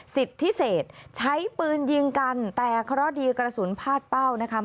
สิทธิเศษใช้ปืนยิงกันแต่เคราะห์ดีกระสุนพาดเป้านะคะ